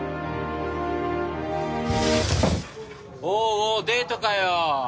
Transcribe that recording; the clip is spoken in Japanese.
おうおうデートかよ。